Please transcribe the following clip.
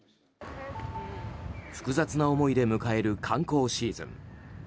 複雑な思いで迎える観光シーズン。